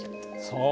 そう。